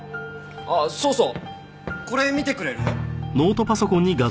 あっそうそうこれ見てくれる？